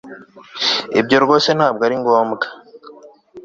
ibyo rwose ntabwo ari ngombwa